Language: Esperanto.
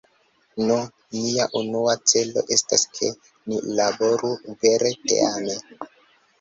Nu, mia unua celo estas ke ni laboru vere teame.